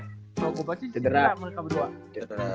kalo gue baca cedra mereka berdua